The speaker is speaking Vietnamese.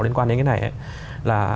liên quan đến cái này là